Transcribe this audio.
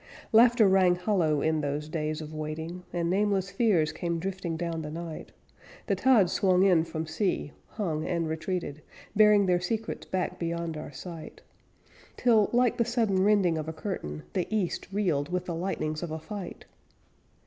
Laughter rang hollow in those days of waiting, And nameless fears came drifting down the night. The tides swung in from sea, hung, and retreated, Bearing their secrets back beyond our sight; Till, like the sudden rending of a curtain, The East reeled with the lightnings of a fight.